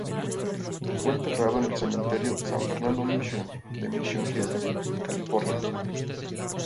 Fue enterrado en el Cementerio San Fernando Mission, de Mission Hills, California.